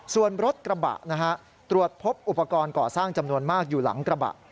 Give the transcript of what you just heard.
ส่วนรถกระบะนะฮะตรวจพบอุปกรณ์ก่อสร้างจำนวนมากอยู่หลังกระบะ